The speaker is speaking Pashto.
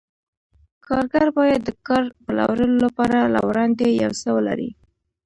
کارګر باید د کار پلورلو لپاره له وړاندې یو څه ولري